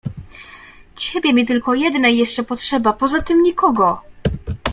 Ciebie mi tylko jednej jeszcze potrzeba, poza tym nikogo!